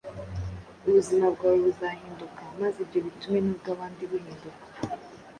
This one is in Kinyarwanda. Ubuzima bwawe buzahinduka, maze ibyo bitume nubwabandi buhinduka.